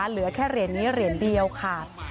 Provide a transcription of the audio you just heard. เหลือแค่เหรียญนี้เหรียญเดียวค่ะ